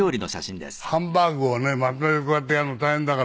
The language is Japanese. ハンバーグをねまとめてこうやってやるの大変だから。